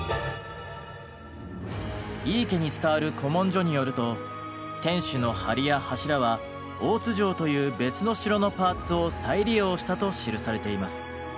井伊家に伝わる古文書によると天守の梁や柱は大津城という別の城のパーツを再利用したと記されています。